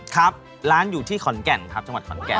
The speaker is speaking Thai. ครับร้านอยู่ที่ขอนแก่นครับจังหวัดขอนแก่น